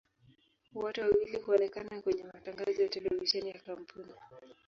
Wote wawili huonekana kwenye matangazo ya televisheni ya kampuni.